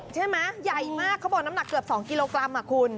ใช่ไหมใหญ่มากเขาบอกน้ำหนักเกือบ๒กิโลกรัมคุณ